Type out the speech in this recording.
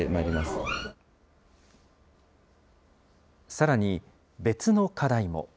さらに別の課題も。